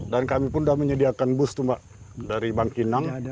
dan kami pun sudah menyediakan bus tuh mbak dari bangkinang